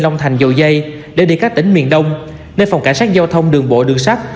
long thành dầu dây để đi các tỉnh miền đông nên phòng cảnh sát giao thông đường bộ đường sắt